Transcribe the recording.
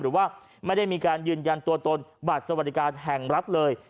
หรือว่าไม่ได้มีการยืนยันตัวตนบัตรสวัสดิการแห่งรัฐเลย